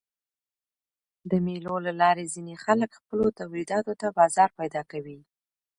د مېلو له لاري ځيني خلک خپلو تولیداتو ته بازار پیدا کوي.